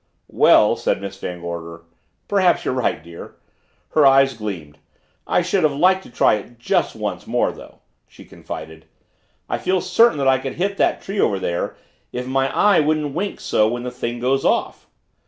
"Well," said Miss Van Gorder, "perhaps you're right, dear." Her eyes gleamed. "I should have liked to try it just once more though," she confided. "I feel certain that I could hit that tree over there if my eye wouldn't wink so when the thing goes off."